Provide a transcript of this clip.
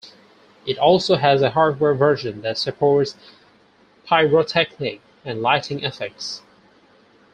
It also has a hardware version that supports pyrotechnic and lighting effects.